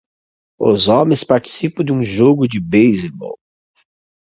Os homens participam de um jogo de beisebol.